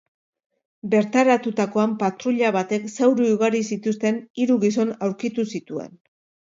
Bertaratutakoan patruila batek zauri ugari zituzten hiru gizon aurkitu zituen.